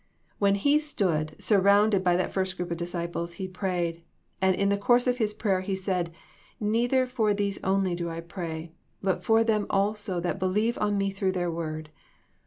When He stood surrounded by that first group of disciples He prayed, and in the course of His prayer He said, " Neither for these only do I pray, iDut for them also that believe on Me through their word."